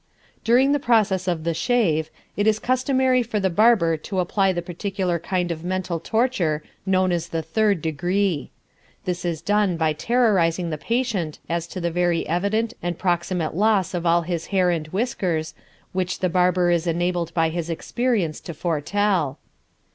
During the process of the shave, it is customary for the barber to apply the particular kind of mental torture known as the third degree. This is done by terrorizing the patient as to the very evident and proximate loss of all his hair and whiskers, which the barber is enabled by his experience to foretell.